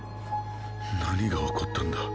何が起こったんだ。